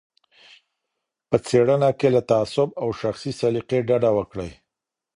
په څېړنه کي له تعصب او شخصي سلیقې ډډه وکړئ.